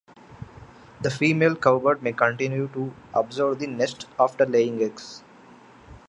The female cowbird may continue to observe the nest after laying eggs.